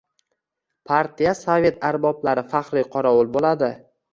Partiya-sovet arboblari faxriy qorovul bo‘ladi...